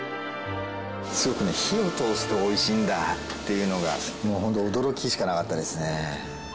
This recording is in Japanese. すごくね火を通すとおいしいんだっていうのがもうホント驚きしかなかったですね。